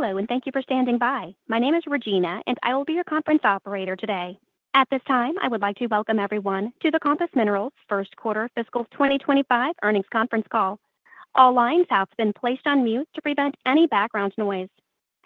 Hello, and thank you for standing by. My name is Regina, and I will be your conference operator today. At this time, I would like to welcome everyone to the Compass Minerals First Quarter Fiscal 2025 Earnings Conference Call. All lines have been placed on mute to prevent any background noise.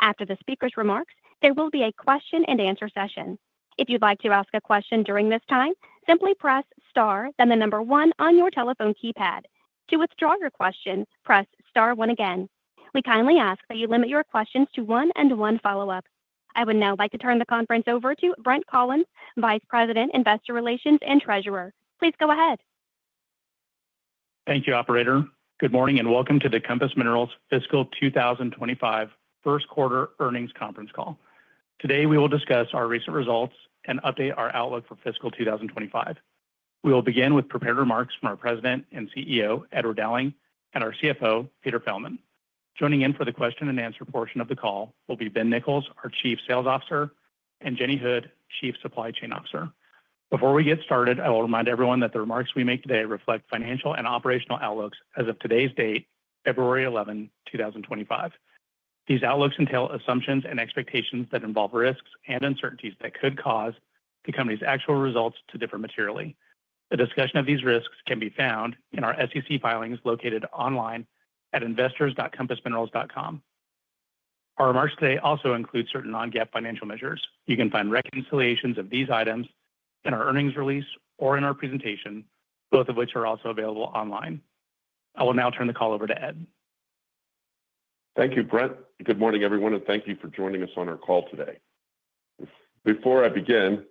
After the speaker's remarks, there will be a question-and-answer session. If you'd like to ask a question during this time, simply press star, then the number one on your telephone keypad. To withdraw your question, press star one again. We kindly ask that you limit your questions to one and one follow-up. I would now like to turn the conference over to Brent Collins, Vice President, Investor Relations and Treasurer. Please go ahead. Thank you, Operator. Good morning and welcome to the Compass Minerals Fiscal 2025 First Quarter Earnings Conference Call. Today, we will discuss our recent results and update our outlook for Fiscal 2025. We will begin with prepared remarks from our President and CEO, Edward Dowling, and our CFO, Peter Feldman. Joining in for the question-and-answer portion of the call will be Ben Nichols, our Chief Sales Officer, and Jenny Hood, Chief Supply Chain Officer. Before we get started, I will remind everyone that the remarks we make today reflect financial and operational outlooks as of today's date, February 11, 2025. These outlooks entail assumptions and expectations that involve risks and uncertainties that could cause the company's actual results to differ materially. The discussion of these risks can be found in our SEC filings located online at investors.compassminerals.com. Our remarks today also include certain non-GAAP financial measures. You can find reconciliations of these items in our earnings release or in our presentation, both of which are also available online. I will now turn the call over to Ed. Thank you, Brent. Good morning, everyone, and thank you for joining us on our call today. Before I begin,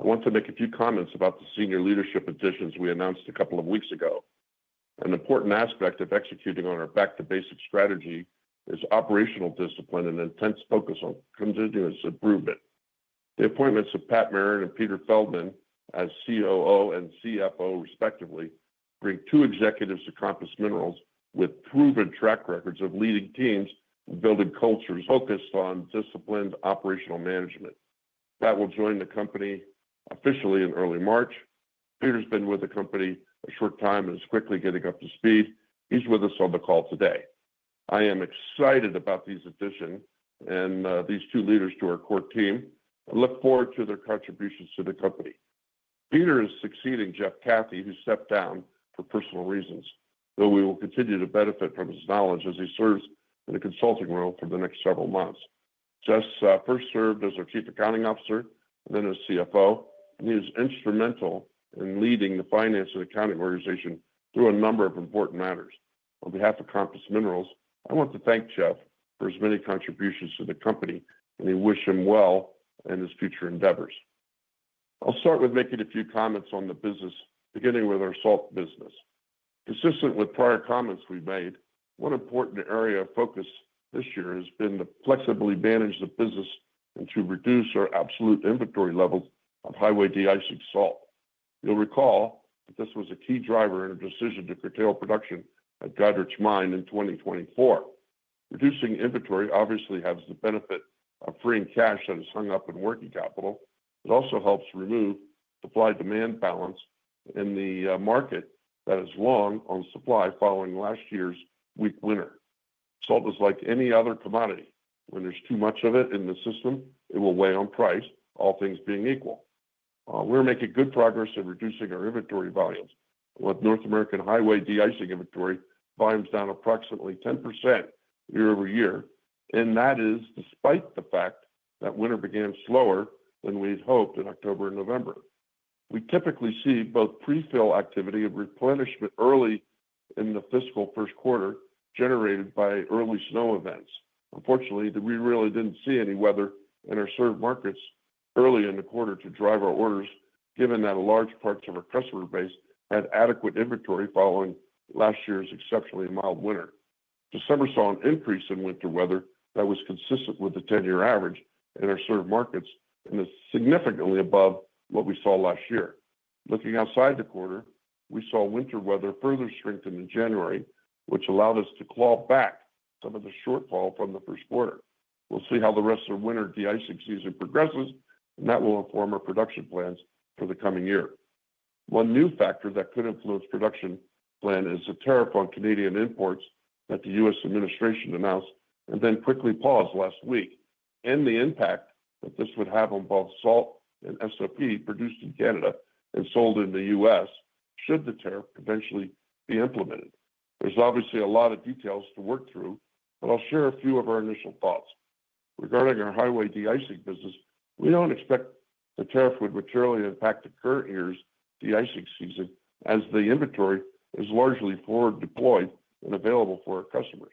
I want to make a few comments about the senior leadership positions we announced a couple of weeks ago. An important aspect of executing on our back-to-basics strategy is operational discipline and intense focus on continuous improvement. The appointments of Pat Merrin and Peter Feldman as COO and CFO, respectively, bring two executives to Compass Minerals with proven track records of leading teams and building cultures focused on disciplined operational management. Pat will join the company officially in early March. Peter's been with the company a short time and is quickly getting up to speed. He's with us on the call today. I am excited about these additions and these two leaders to our core team. I look forward to their contributions to the company. Peter is succeeding Jeff Cathey, who stepped down for personal reasons, though we will continue to benefit from his knowledge as he serves in a consulting role for the next several months. Jeff first served as our Chief Accounting Officer and then as CFO, and he was instrumental in leading the finance and accounting organization through a number of important matters. On behalf of Compass Minerals, I want to thank Jeff for his many contributions to the company, and I wish him well in his future endeavors. I'll start with making a few comments on the business, beginning with our salt business. Consistent with prior comments we've made, one important area of focus this year has been to flexibly manage the business and to reduce our absolute inventory levels of highway deicing salt. You'll recall that this was a key driver in our decision to curtail production at Goderich Mine in 2024. Reducing inventory obviously has the benefit of freeing cash that is hung up in working capital. It also helps remove supply-demand balance in the market that is long on supply following last year's weak winter. Salt is like any other commodity. When there's too much of it in the system, it will weigh on price, all things being equal. We're making good progress in reducing our inventory volumes. North American highway deicing inventory volumes down approximately 10% year-over year, and that is despite the fact that winter began slower than we'd hoped in October and November. We typically see both prefill activity and replenishment early in the fiscal first quarter generated by early snow events. Unfortunately, we really didn't see any weather in our served markets early in the quarter to drive our orders, given that large parts of our customer base had adequate inventory following last year's exceptionally mild winter. December saw an increase in winter weather that was consistent with the 10-year average in our served markets and is significantly above what we saw last year. Looking outside the quarter, we saw winter weather further strengthen in January, which allowed us to claw back some of the shortfall from the first quarter. We'll see how the rest of the winter deicing season progresses, and that will inform our production plans for the coming year. One new factor that could influence the production plan is the tariff on Canadian imports that the U.S. administration announced and then quickly paused last week. And the impact that this would have on both salt and SOP produced in Canada and sold in the U.S. should the tariff eventually be implemented. There's obviously a lot of details to work through, but I'll share a few of our initial thoughts. Regarding our highway deicing business, we don't expect the tariff would materially impact the current year's deicing season as the inventory is largely forward deployed and available for our customers.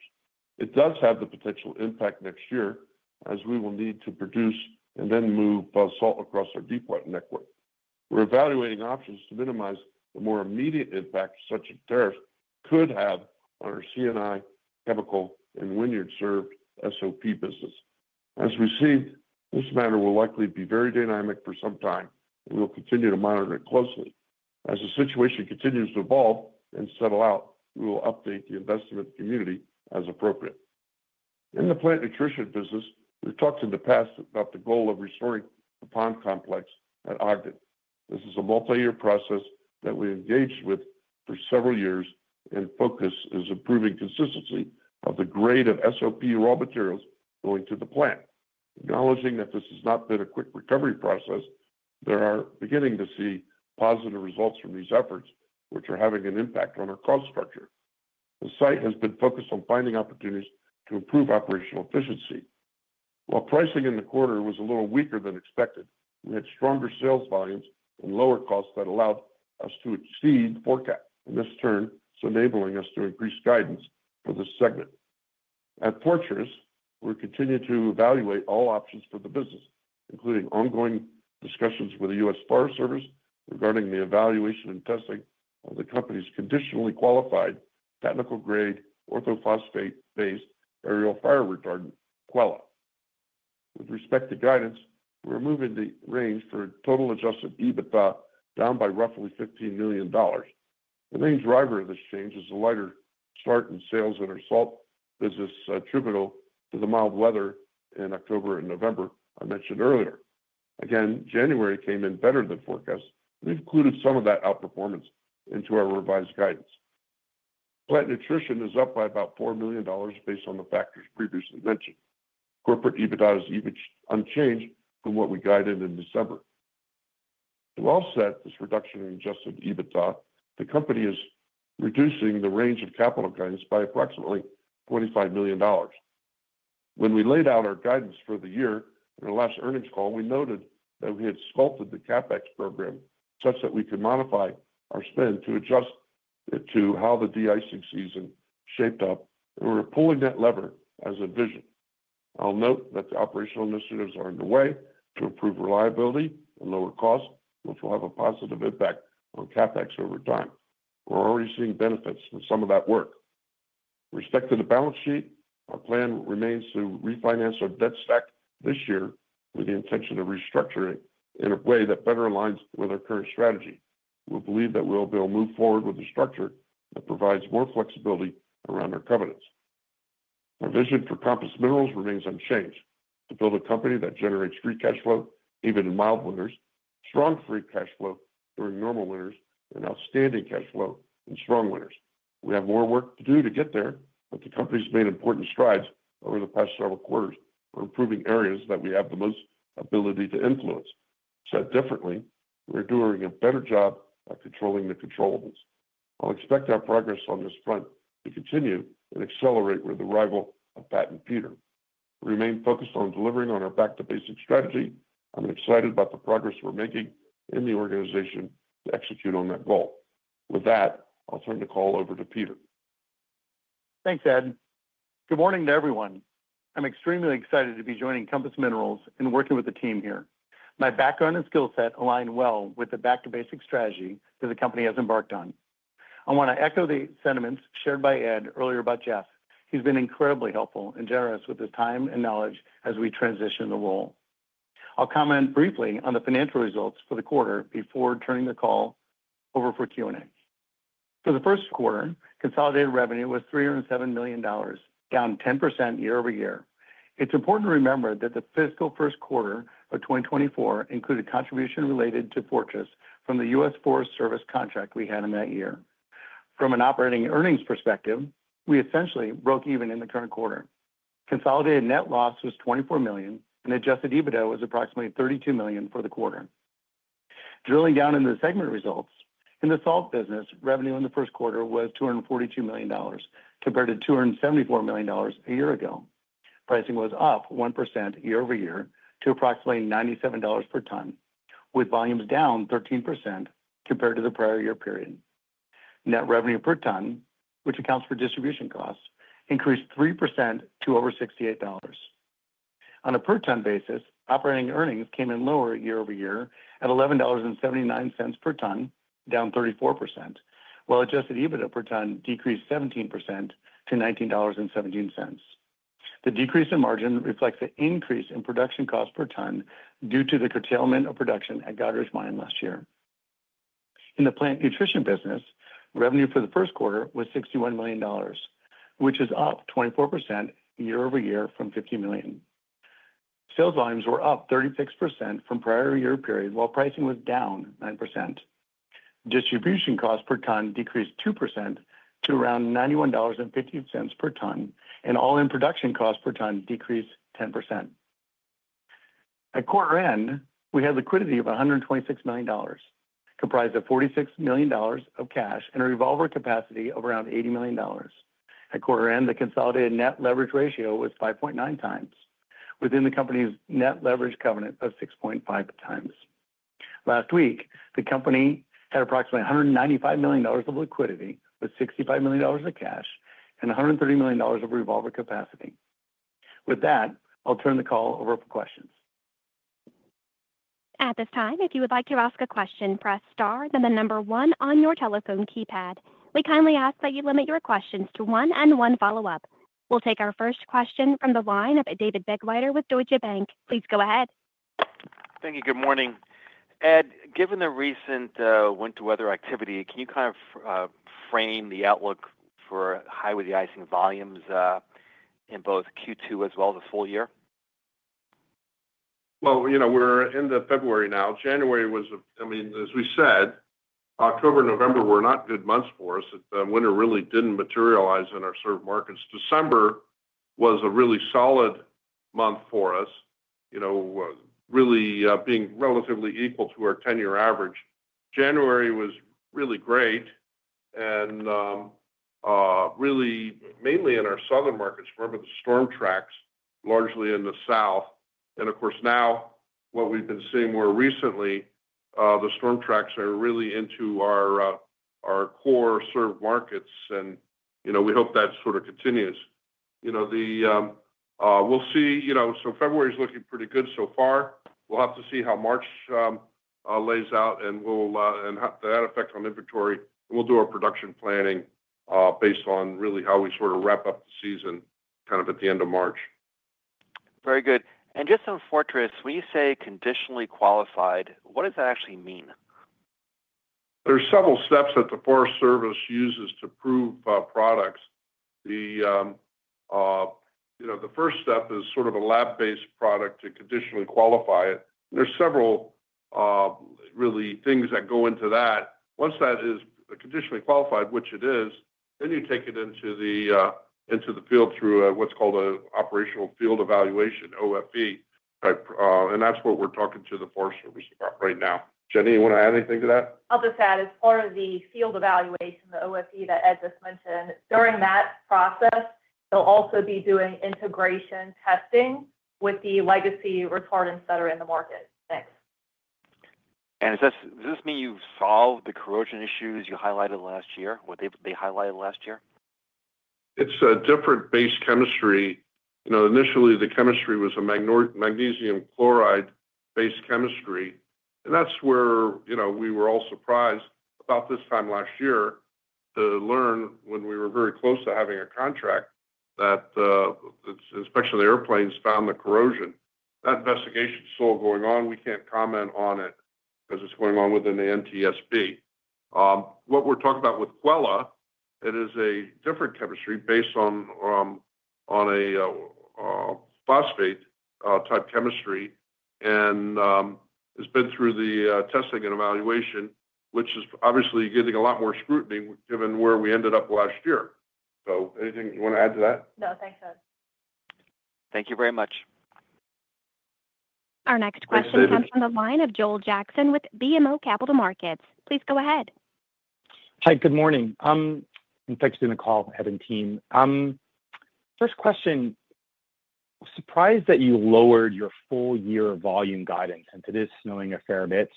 It does have the potential impact next year as we will need to produce and then move salt across our deepwater network. We're evaluating options to minimize the more immediate impact such a tariff could have on our C&I, chemical, and vineyard-served SOP business. As we see, this matter will likely be very dynamic for some time, and we'll continue to monitor it closely. As the situation continues to evolve and settle out, we will update the investment community as appropriate. In the plant nutrition business, we've talked in the past about the goal of restoring the pond complex at Ogden. This is a multi-year process that we engaged with for several years, and focus is improving consistency of the grade of SOP raw materials going to the plant. Acknowledging that this has not been a quick recovery process, we are beginning to see positive results from these efforts, which are having an impact on our cost structure. The site has been focused on finding opportunities to improve operational efficiency. While pricing in the quarter was a little weaker than expected, we had stronger sales volumes and lower costs that allowed us to exceed forecasts, and this turned to enabling us to increase guidance for this segment. At Fortress, we're continuing to evaluate all options for the business, including ongoing discussions with the U.S. Forest Service regarding the evaluation and testing of the company's conditionally qualified technical-grade orthophosphate-based aerial fire retardant [Quella]. With respect to guidance, we're moving the range for total adjusted EBITDA down by roughly $15 million. The main driver of this change is a lighter start in sales in our salt business, attributable to the mild weather in October and November I mentioned earlier. Again, January came in better than forecast, and we've included some of that outperformance into our revised guidance. Plant nutrition is up by about $4 million based on the factors previously mentioned. Corporate EBITDA is essentially unchanged from what we guided in December. To offset this reduction in adjusted EBITDA, the company is reducing the range of capital guidance by approximately $25 million. When we laid out our guidance for the year in our last earnings call, we noted that we had sculpted the CapEx program such that we could modify our spend to adjust it to how the deicing season shaped up, and we're pulling that lever as envisioned. I'll note that the operational initiatives are underway to improve reliability and lower costs, which will have a positive impact on CapEx over time. We're already seeing benefits from some of that work. With respect to the balance sheet, our plan remains to refinance our debt stack this year with the intention of restructuring in a way that better aligns with our current strategy. We believe that we'll be able to move forward with a structure that provides more flexibility around our covenants. Our vision for Compass Minerals remains unchanged: to build a company that generates great cash flow even in mild winters, strong free cash flow during normal winters, and outstanding cash flow in strong winters. We have more work to do to get there, but the company's made important strides over the past several quarters for improving areas that we have the most ability to influence. Said differently, we're doing a better job at controlling the controllables. I'll expect our progress on this front to continue and accelerate with the arrival of Pat and Peter. We remain focused on delivering on our back-to-basic strategy. I'm excited about the progress we're making in the organization to execute on that goal. With that, I'll turn the call over to Peter. Thanks, Ed. Good morning to everyone. I'm extremely excited to be joining Compass Minerals and working with the team here. My background and skill set align well with the back-to-basic strategy that the company has embarked on. I want to echo the sentiments shared by Ed earlier about Jeff. He's been incredibly helpful and generous with his time and knowledge as we transitioned the role. I'll comment briefly on the financial results for the quarter before turning the call over for Q&A. For the first quarter, consolidated revenue was $307 million, down 10% year-over-year. It's important to remember that the fiscal first quarter of 2024 included contributions related to Fortress from the U.S. Forest Service contract we had in that year. From an operating earnings perspective, we essentially broke even in the current quarter. Consolidated net loss was $24 million, and Adjusted EBITDA was approximately $32 million for the quarter. Drilling down into the segment results, in the salt business, revenue in the first quarter was $242 million compared to $274 million a year ago. Pricing was up 1% year over year to approximately $97 per ton, with volumes down 13% compared to the prior year period. Net revenue per ton, which accounts for distribution costs, increased 3% to over $68. On a per-ton basis, operating earnings came in lower year-over-year at $11.79 per ton, down 34%, while Adjusted EBITDA per ton decreased 17% to $19.17. The decrease in margin reflects an increase in production costs per ton due to the curtailment of production at Goderich Mine last year. In the plant nutrition business, revenue for the first quarter was $61 million, which is up 24% year-over-year from $50 million. Sales volumes were up 36% from the prior year period, while pricing was down 9%. Distribution costs per ton decreased 2% to around $91.50 per ton, and all-in production costs per ton decreased 10%. At quarter end, we had liquidity of $126 million, comprised of $46 million of cash and a revolver capacity of around $80 million. At quarter end, the consolidated net leverage ratio was 5.9 times, within the company's net leverage covenant of 6.5 times. Last week, the company had approximately $195 million of liquidity with $65 million of cash and $130 million of revolver capacity. With that, I'll turn the call over for questions. At this time, if you would like to ask a question, press star and then the number one on your telephone keypad. We kindly ask that you limit your questions to one and one follow-up. We'll take our first question from the line of David Begleiter with Deutsche Bank. Please go ahead. Thank you. Good morning. Ed, given the recent winter weather activity, can you kind of frame the outlook for highway deicing volumes in both Q2 as well as the full year? You know we're in February now. January was, I mean, as we said, October and November were not good months for us. Winter really didn't materialize in our served markets. December was a really solid month for us, you know, really being relatively equal to our 10-year average. January was really great and really mainly in our southern markets, remember the storm tracks largely in the south, and of course, now what we've been seeing more recently, the storm tracks are really into our core served markets, and you know we hope that sort of continues. You know, we'll see, you know, so February is looking pretty good so far. We'll have to see how March lays out and that effect on inventory, and we'll do our production planning based on really how we sort of wrap up the season kind of at the end of March. Very good. Just on Fortress, when you say conditionally qualified, what does that actually mean? There are several steps that the Forest Service uses to approve products. The first step is sort of a lab-based process to conditionally qualify it. There are several things that go into that. Once that is conditionally qualified, which it is, then you take it into the field through what's called an operational field evaluation, OFE, and that's what we're talking to the Forest Service about right now. Jenny, you want to add anything to that? I'll just add as part of the field evaluation, the OFE that Ed just mentioned, during that process, they'll also be doing integration testing with the legacy retardants that are in the market. Thanks. Does this mean you've solved the corrosion issues you highlighted last year, what they highlighted last year? It's a different base chemistry. You know, initially, the chemistry was a magnesium chloride-based chemistry, and that's where we were all surprised about this time last year to learn when we were very close to having a contract that the inspection of the airplanes found the corrosion. That investigation is still going on. We can't comment on it because it's going on within the NTSB. What we're talking about with Quella, it is a different chemistry based on a phosphate-type chemistry and has been through the testing and evaluation, which is obviously getting a lot more scrutiny given where we ended up last year. So anything you want to add to that? No, thanks, Ed. Thank you very much. Our next question comes from the line of Joel Jackson with BMO Capital Markets. Please go ahead. Hi, good morning. I'm joining the call, Ed and team. First question, surprised that you lowered your full-year volume guidance, and today it's snowing a fair bit.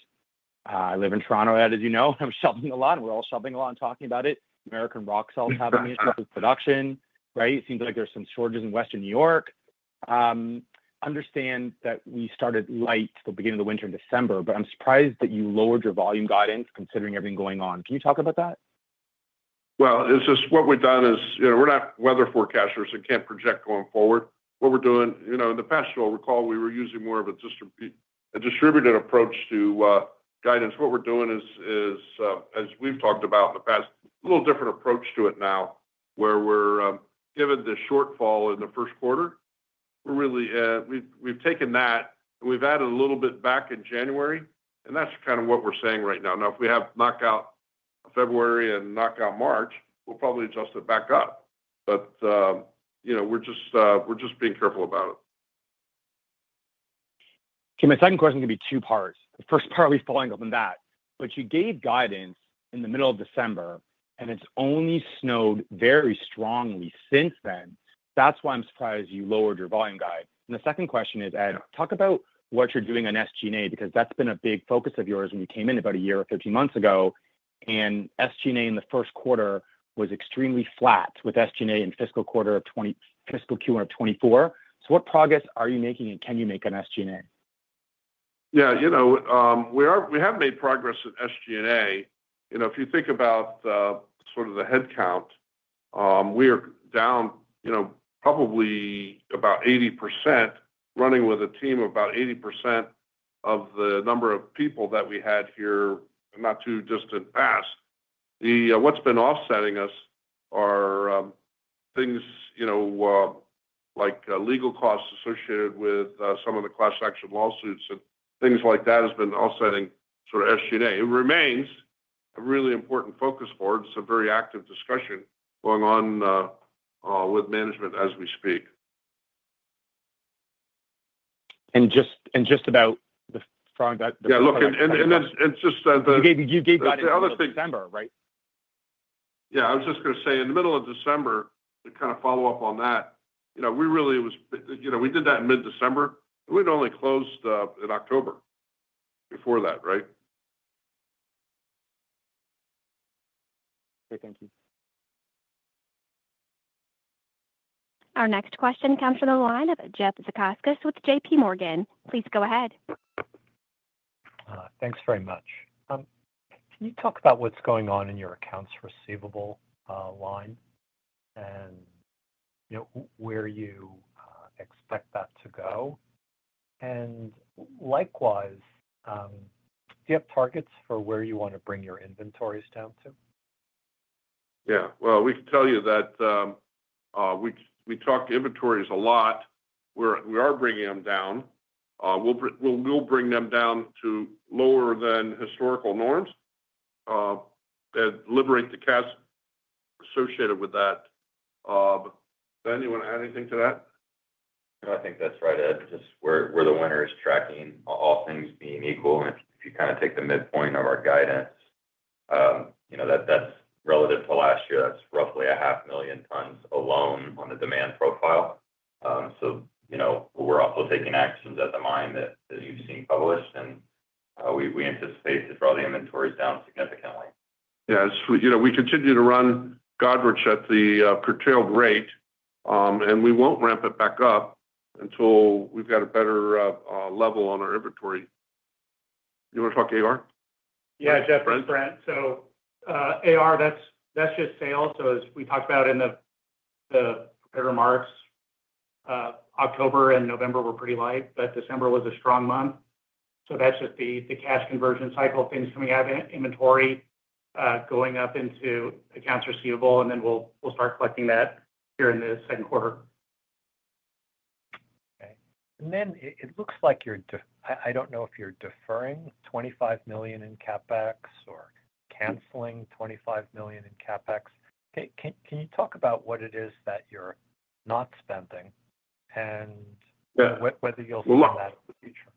I live in Toronto, Ed, as you know. I'm shoveling a lot, and we're all shoveling a lot and talking about it. American Rock Salt is ramping in production, right? It seems like there's some shortages in Western New York. Understand that we started light at the beginning of the winter in December, but I'm surprised that you lowered your volume guidance considering everything going on. Can you talk about that? It's just what we've done is, you know, we're not weather forecasters and can't project going forward. What we're doing, you know, in the past, you'll recall we were using more of a distributed approach to guidance. What we're doing is, as we've talked about in the past, a little different approach to it now, where we're given the shortfall in the first quarter. We've taken that, and we've added a little bit back in January, and that's kind of what we're saying right now. Now, if we have knockout February and knockout March, we'll probably adjust it back up. But, you know, we're just being careful about it. Kim, my second question is going to be two parts. The first part, we've been following up on that. But you gave guidance in the middle of December, and it's only snowed very strongly since then. That's why I'm surprised you lowered your volume guide. And the second question is, Ed, talk about what you're doing on SG&A because that's been a big focus of yours when you came in about a year or 13 months ago. And SG&A in the first quarter was extremely flat with SG&A in fiscal Q1 of 2024. So what progress are you making and can you make on SG&A? Yeah, you know, we have made progress in SG&A. You know, if you think about sort of the headcount, we are down, you know, probably about 80%, running with a team of about 80% of the number of people that we had here not too distant past. What's been offsetting us are things, you know, like legal costs associated with some of the class action lawsuits and things like that have been offsetting sort of SG&A. It remains a really important focus for it. It's a very active discussion going on with management as we speak. And just about the. Yeah, look, and it's just that. You gave guidance in December, right? Yeah, I was just going to say in the middle of December, to kind of follow up on that, you know, we really was, you know, we did that in mid-December, and we'd only closed in October before that, right? Great, thank you. Our next question comes from the line of Jeffrey Zekauskas with JPMorgan. Please go ahead. Thanks very much. Can you talk about what's going on in your accounts receivable line and where you expect that to go? And likewise, do you have targets for where you want to bring your inventories down to? Yeah, well, we can tell you that we talked to inventories a lot. We are bringing them down. We'll bring them down to lower than historical norms and liberate the cash associated with that. But does anyone add anything to that? I think that's right, Ed. Just where the winter is tracking, all things being equal, and if you kind of take the midpoint of our guidance, you know, that's relative to last year, that's roughly 500,000 tons alone on the demand profile. So, you know, we're also taking actions at the mine that you've seen published, and we anticipate to draw the inventories down significantly. Yeah, you know, we continue to run Goderich at the curtailed rate, and we won't ramp it back up until we've got a better level on our inventory. You want to talk to AR? Yeah, Jeff, just a friend, so AR, that's just sales, so as we talked about in the remarks, October and November were pretty light, but December was a strong month, so that's just the cash conversion cycle, things coming out of inventory, going up into accounts receivable, and then we'll start collecting that here in the second quarter. Okay, and then it looks like you're. I don't know if you're deferring $25 million in CapEx or canceling $25 million in CapEx. Can you talk about what it is that you're not spending and whether you'll see that in the future?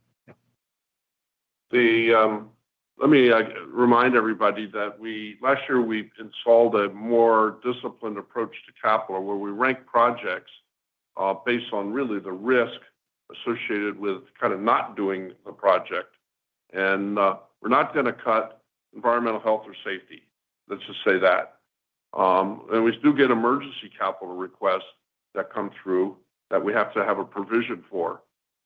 Let me remind everybody that last year we installed a more disciplined approach to capital where we rank projects based on really the risk associated with kind of not doing the project, and we're not going to cut environmental health or safety. Let's just say that, and we do get emergency capital requests that come through that we have to have a provision for.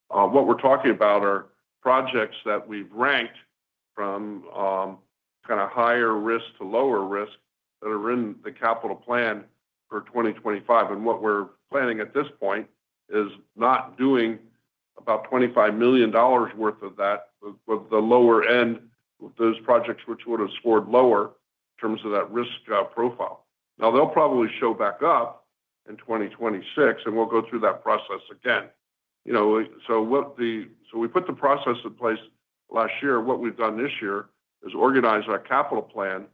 What we're talking about are projects that we've ranked from kind of higher risk to lower risk that are in the capital plan for 2025, and what we're planning at this point is not doing about $25 million worth of that with the lower end, those projects which would have scored lower in terms of that risk profile. Now, they'll probably show back up in 2026, and we'll go through that process again. You know, so we put the process in place last year. What we've done this year is organize our capital plan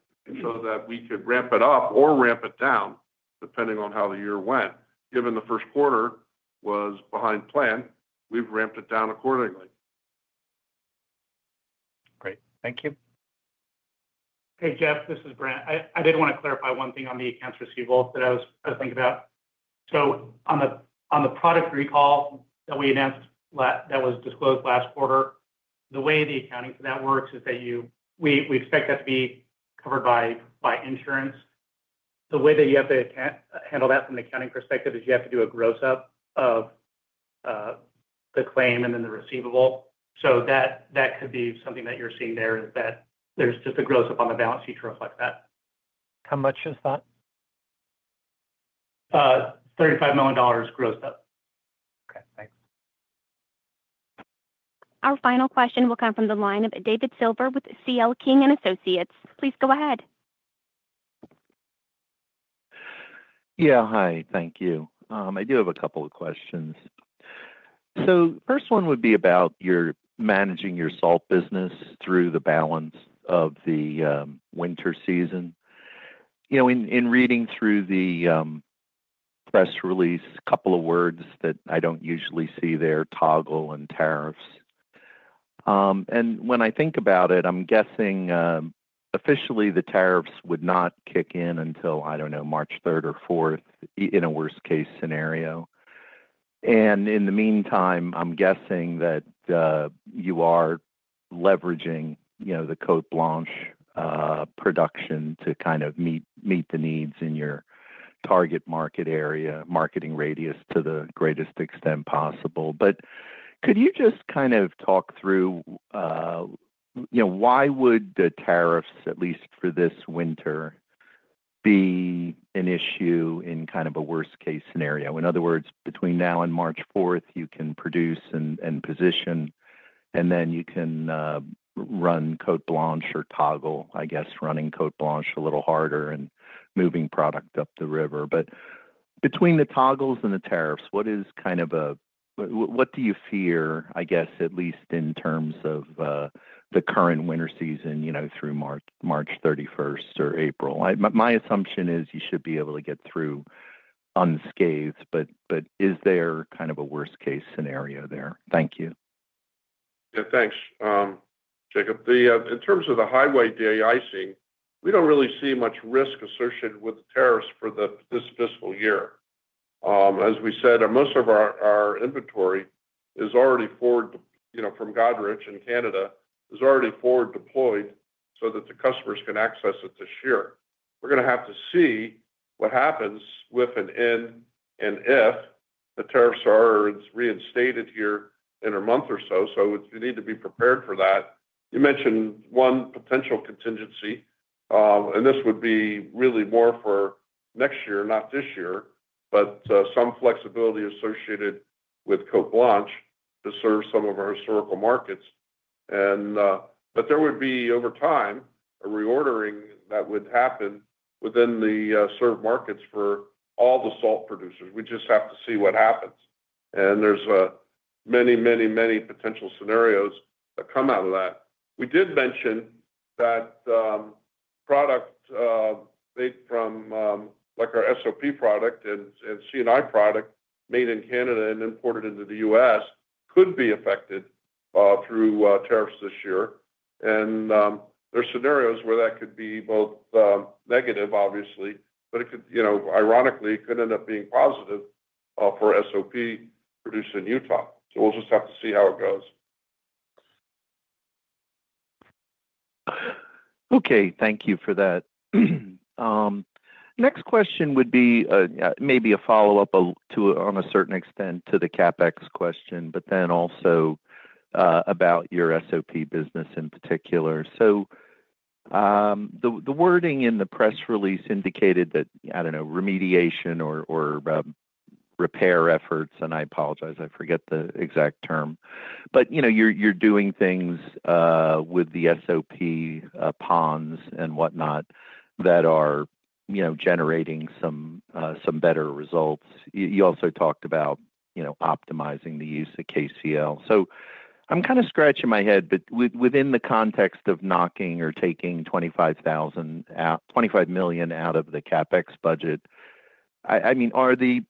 so that we could ramp it up or ramp it down depending on how the year went. Given the first quarter was behind plan, we've ramped it down accordingly. Great. Thank you. Hey, Jeff, this is Brent. I did want to clarify one thing on the accounts receivable that I was trying to think about. So on the product recall that we announced that was disclosed last quarter, the way the accounting for that works is that we expect that to be covered by insurance. The way that you have to handle that from the accounting perspective is you have to do a gross-up of the claim and then the receivable. So that could be something that you're seeing there is that there's just a gross-up on the balance sheet to reflect that. How much is that? $35 million gross-up. Okay, thanks. Our final question will come from the line of David Silver with CL King & Associates. Please go ahead. Yeah, hi. Thank you. I do have a couple of questions. So the first one would be about your managing your salt business through the balance of the winter season. You know, in reading through the press release, a couple of words that I don't usually see there: toggle and tariffs. And when I think about it, I'm guessing officially the tariffs would not kick in until, I don't know, March 3rd or 4th in a worst-case scenario. And in the meantime, I'm guessing that you are leveraging, you know, the Côte Blanche production to kind of meet the needs in your target market area, marketing radius to the greatest extent possible. But could you just kind of talk through, you know, why would the tariffs, at least for this winter, be an issue in kind of a worst-case scenario? In other words, between now and March 4th, you can produce and position, and then you can run Côte Blanche or toggle, I guess, running Côte Blanche a little harder and moving product up the river. But between the toggles and the tariffs, what is kind of a, what do you fear, I guess, at least in terms of the current winter season, you know, through March 31st or April? My assumption is you should be able to get through unscathed, but is there kind of a worst-case scenario there? Thank you. Yeah, thanks, Jacob. In terms of the highway deicing, we don't really see much risk associated with the tariffs for this fiscal year. As we said, most of our inventory is already forward, you know, from Goderich in Canada is already forward deployed so that the customers can access it this year. We're going to have to see what happens, and if the tariffs are reinstated here in a month or so. So we need to be prepared for that. You mentioned one potential contingency, and this would be really more for next year, not this year, but some flexibility associated with Côte Blanche to serve some of our historical markets. But there would be over time a reordering that would happen within the served markets for all the salt producers. We just have to see what happens. There's many, many, many potential scenarios that come out of that. We did mention that product made from, like our SOP product and CNI product made in Canada and imported into the U.S. could be affected through tariffs this year. And there are scenarios where that could be both negative, obviously, but it could, you know, ironically, it could end up being positive for SOP produced in Utah. We'll just have to see how it goes. Okay, thank you for that. Next question would be maybe a follow-up on a certain extent to the CapEx question, but then also about your SOP business in particular. So the wording in the press release indicated that, I don't know, remediation or repair efforts, and I apologize, I forget the exact term. But, you know, you're doing things with the SOP ponds and whatnot that are, you know, generating some better results. You also talked about, you know, optimizing the use of KCl. So I'm kind of scratching my head, but within the context of knocking or taking $25 million out of the CapEx budget, I mean, are the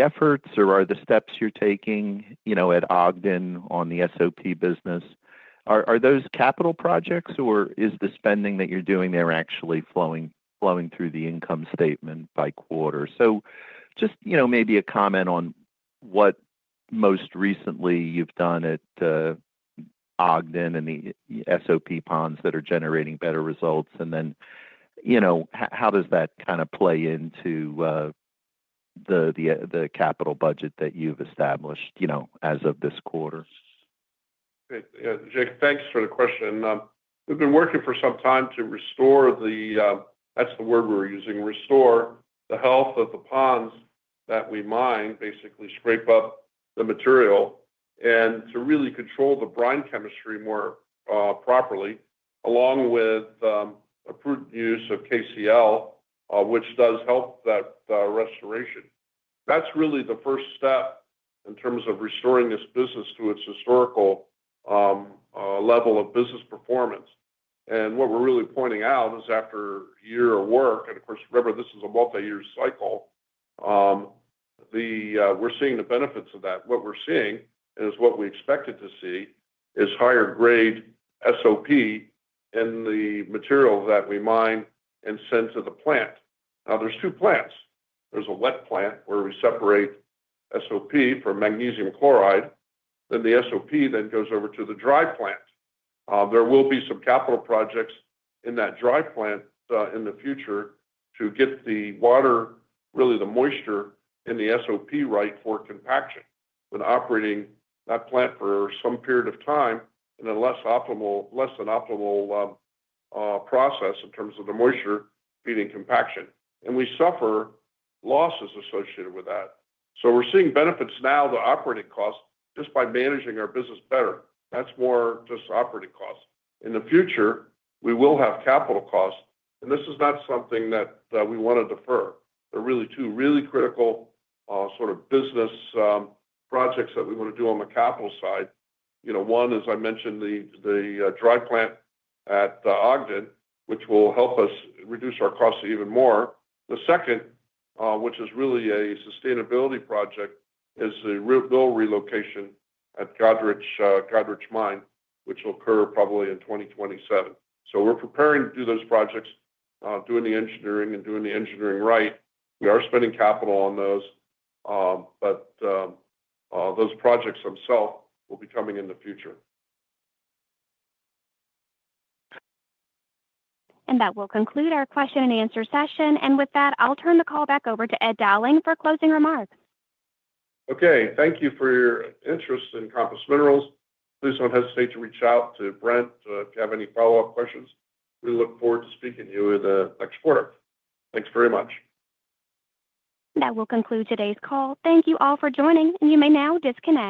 efforts or are the steps you're taking, you know, at Ogden on the SOP business, are those capital projects or is the spending that you're doing there actually flowing through the income statement by quarter? So just, you know, maybe a comment on what most recently you've done at Ogden and the SOP ponds that are generating better results, and then, you know, how does that kind of play into the capital budget that you've established, you know, as of this quarter? Yeah, Jake, thanks for the question. We've been working for some time to restore the, that's the word we were using, restore the health of the ponds that we mine, basically scrape up the material and to really control the brine chemistry more properly along with approved use of KCL, which does help that restoration. That's really the first step in terms of restoring this business to its historical level of business performance. And what we're really pointing out is after a year of work, and of course, remember this is a multi-year cycle, we're seeing the benefits of that. What we're seeing is what we expected to see is higher-grade SOP in the material that we mine and send to the plant. Now, there's two plants. There's a wet plant where we separate SOP for magnesium chloride. Then the SOP then goes over to the dry plant. There will be some capital projects in that dry plant in the future to get the water, really the moisture in the SOP right for compaction when operating that plant for some period of time in a less optimal, less than optimal process in terms of the moisture feeding compaction, and we suffer losses associated with that, so we're seeing benefits now to operating costs just by managing our business better. That's more just operating costs. In the future, we will have capital costs, and this is not something that we want to defer. There are really two really critical sort of business projects that we want to do on the capital side. You know, one, as I mentioned, the dry plant at Ogden, which will help us reduce our costs even more. The second, which is really a sustainability project, is the rock mill relocation at Goderich Mine, which will occur probably in 2027. So we're preparing to do those projects, doing the engineering right. We are spending capital on those, but those projects themselves will be coming in the future. That will conclude our question and answer session. With that, I'll turn the call back over to Ed Dowling for closing remarks. Okay, thank you for your interest in Compass Minerals. Please don't hesitate to reach out to Brent if you have any follow-up questions. We look forward to speaking to you in the next quarter. Thanks very much. That will conclude today's call. Thank you all for joining, and you may now disconnect.